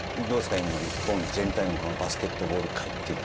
今の日本全体のバスケットボール界は。